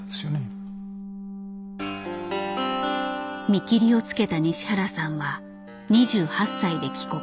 見切りをつけた西原さんは２８歳で帰国。